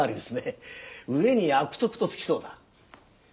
上に「悪徳」とつきそうだ。